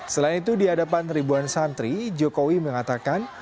selain itu di hadapan ribuan santri jokowi mengatakan